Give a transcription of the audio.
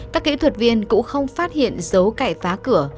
các kỹ thuật viên cũng không phát hiện dấu cải phá cửa